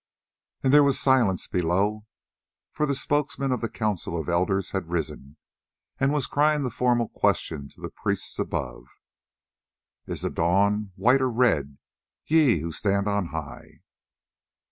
Again there was silence below, for the spokesman of the Council of Elders had risen, and was crying the formal question to the priests above: "Is the dawn white or red, ye who stand on high?"